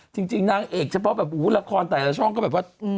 จริงนางเอกเฉพาะแบบละครแต่ละช่องก็แบบว่า